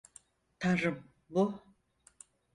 Tanrım, bu…